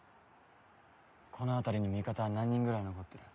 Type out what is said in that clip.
この辺りに味方は何人ぐらい残ってる？